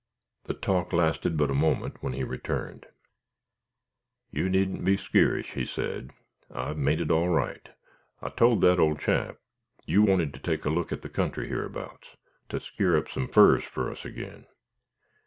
The talk lasted but a moment, when he returned. "You needn't be skeerish," said he; "I've made it all right. I told that old chap you wanted to take a look at the country hereabouts, to skeer up some furs fur us agin.